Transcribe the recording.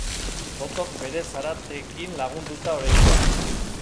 Totok bere zaratekin lagunduta oraingoan.